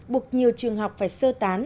bục nhiều trường học phải sơ tán